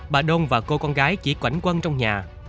bà đôn và cô con gái chỉ quảnh quân trong nhà